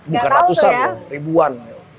bukan ratusan loh ribuan